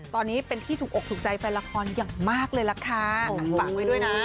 ตอนนี้เป็นที่ถูกอกถูกใจแฟนละครอย่างมากเลยล่ะค่ะฝากไว้ด้วยนะ